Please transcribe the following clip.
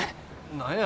何や？